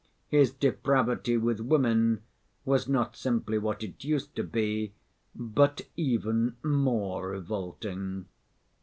His depravity with women was not simply what it used to be, but even more revolting.